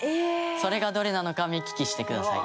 それがどれなのか目利きしてください。